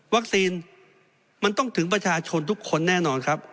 มันต้องถึงประชาชนทุกคนแน่นอนครับ